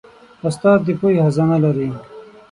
استاد د پوهې خزانه لري.